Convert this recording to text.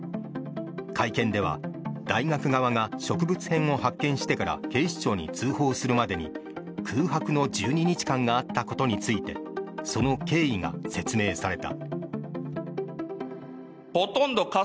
会見では大学側が植物片を発見してから警察に通報するまでに空白の１２日間があったことについてその経緯が説明された。